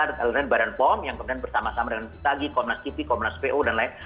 ada badan pom yang kemudian bersama sama dengan itagi komnas kipi komnas po dan lain